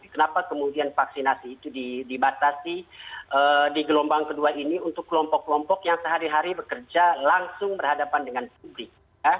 kenapa kemudian vaksinasi itu dibatasi di gelombang kedua ini untuk kelompok kelompok yang sehari hari bekerja langsung berhadapan dengan publik